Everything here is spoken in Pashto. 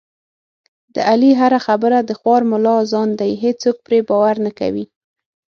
د علي هره خبره د خوار ملا اذان دی، هېڅوک پرې باور نه کوي.